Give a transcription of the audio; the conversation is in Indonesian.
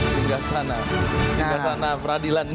singgah sana peradilan